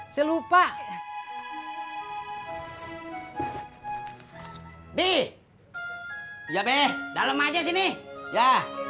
saya lupa di by dalam aja sini ya